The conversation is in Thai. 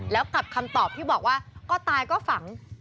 แล้วกับคำตอบที่บอกว่า